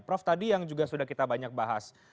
prof tadi yang juga sudah kita banyak bahas